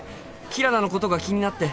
キララのことが気になって。